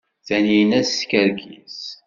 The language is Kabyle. Taninna teskerkis.